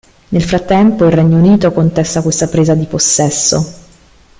Nel frattempo il Regno Unito contesta questa presa di possesso.